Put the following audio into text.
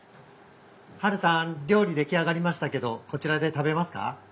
ハルさん料理出来上がりましたけどこちらで食べますか？